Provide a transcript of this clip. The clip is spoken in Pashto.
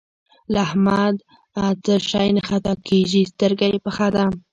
له احمده څه شی نه خطا کېږي؛ سترګه يې پخه ده.